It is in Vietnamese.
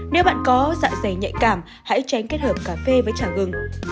nếu bạn có dạ dày nhạy cảm hãy tránh kết hợp cà phê với chả gừng